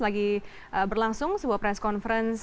lagi berlangsung sebuah press conference